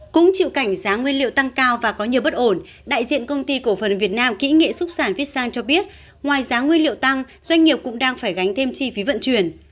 cũng chịu cảnh giá nguyên liệu tăng cao và có nhiều bất ổn đại diện công ty cổ phần việt nam kỹ nghệ xúc sản vitsan cho biết ngoài giá nguyên liệu tăng doanh nghiệp cũng đang phải gánh thêm chi phí vận chuyển